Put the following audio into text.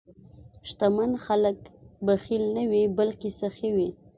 شتمن خلک بخیل نه وي، بلکې سخي وي.